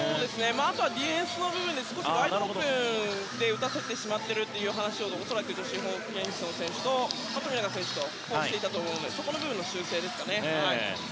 あとはディフェンスの部分でワイドオープンで打たせてしまっているという話を恐らくジョシュ・ホーキンソン選手と富永選手はしていたと思うのでそこの部分の修正ですかね。